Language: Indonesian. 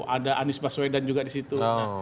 ada anies baswedan juga di situ